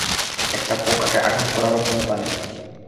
একটা পোকাকে আঘাত করারও ক্ষমতা নেই ওর।